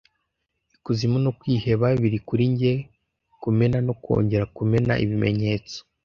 Ikuzimu no kwiheba biri kuri njye, kumena no kongera kumena ibimenyetso,